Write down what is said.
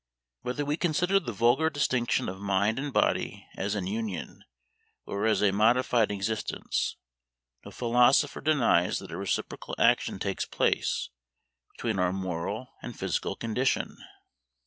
Whether we consider the vulgar distinction of mind and body as an union, or as a modified existence, no philosopher denies that a reciprocal action takes place between our moral and physical condition.